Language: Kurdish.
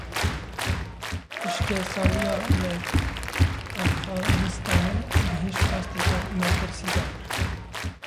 Hişkesaliya li Efxanistanê gihişt asteke metirsîdar.